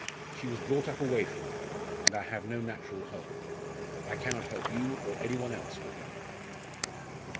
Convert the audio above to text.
She was brought up away from me. And I have no natural hold. I cannot help you, or any one else, with her."